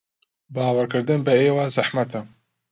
باوەڕکردن بە ئێوە زەحمەتە.